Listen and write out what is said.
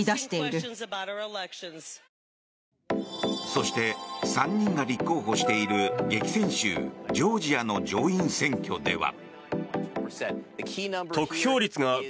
そして３人が立候補している激戦州ジョージアの上院選挙では。